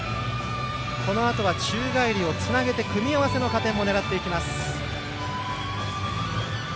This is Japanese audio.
そして宙返りをつなげて組み合わせの加点も狙っていきます。